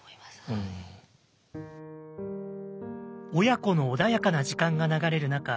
親子の穏やかな時間が流れる中